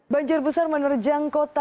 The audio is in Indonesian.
banjir besar menerjang kota